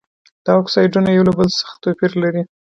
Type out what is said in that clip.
دا اکسایدونه یو له بل څخه توپیر لري.